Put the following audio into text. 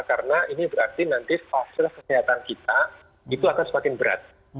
karena ini berarti nanti fase kesehatan kita itu akan semakin berat